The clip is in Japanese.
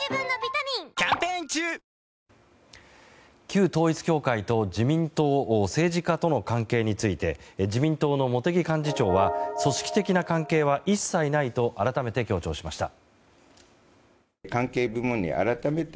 旧統一教会と政治家との関係について自民党の茂木幹事長は組織的な関係は一切ないと改めて強調しました。